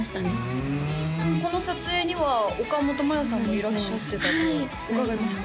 ふんこの撮影には岡本真夜さんもいらっしゃってたと伺いました